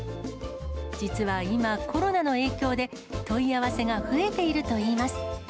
実は今、コロナの影響で問い合わせが増えているといいます。